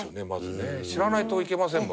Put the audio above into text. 知らないと行けませんもんね。